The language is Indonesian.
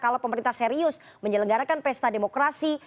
kalau pemerintah serius menyelenggarakan pesta demokrasi